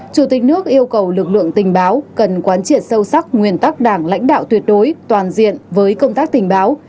chủ tịch nước yêu cầu lực lượng tình báo cần quán triệt sâu sắc nguyên tắc đảng lãnh đạo tuyệt đối toàn diện với công tác tình báo